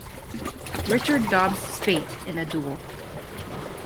Richard Dobbs Spaight in a duel.